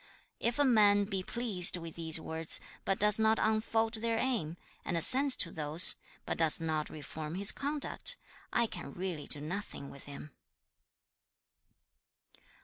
If a man be pleased with these words, but does not unfold their aim, and assents to those, but does not reform his conduct, I can really do nothing with him.'